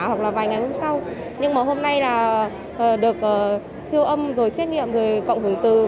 hoặc là vài ngày hôm sau nhưng mà hôm nay là được siêu âm rồi xét nghiệm rồi cộng hưởng từ